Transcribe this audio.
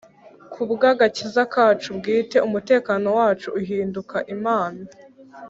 ku bw'agakiza kacu bwite, umutekano wacu uhinduka impano